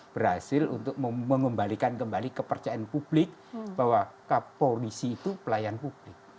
berhasil untuk mengembalikan kembali kepercayaan publik bahwa kapolri itu pelayan publik